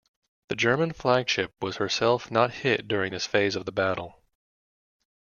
The German flagship was herself not hit during this phase of the battle.